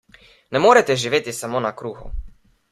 Ne morete živeti samo na kruhu.